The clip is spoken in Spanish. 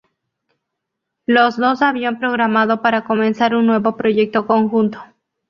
Los dos habían programado para comenzar un nuevo proyecto conjunto.